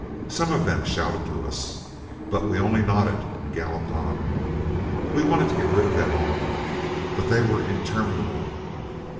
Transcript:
Some of them shouted to us, but we only nodded and galloped on. We wanted to get rid of them all, but they were interminable.